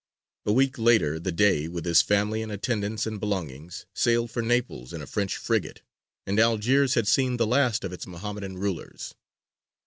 A week later the Dey, with his family and attendants and belongings, sailed for Naples in a French frigate, and Algiers had seen the last of its Mohammedan rulers.